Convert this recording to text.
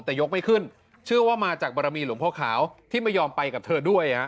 แต่ยกไม่ขึ้นเชื่อว่ามาจากบรมีหลวงพ่อขาวที่ไม่ยอมไปกับเธอด้วย